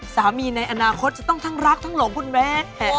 ในอนาคตจะต้องทั้งรักทั้งหลงคุณแม่